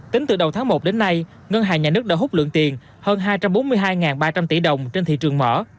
tính từ đầu tháng một đến nay ngân hàng nhà nước đã hút lượng tiền hơn hai trăm bốn mươi hai ba trăm linh tỷ đồng trên thị trường mở